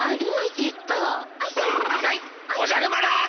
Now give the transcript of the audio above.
やいおじゃる丸！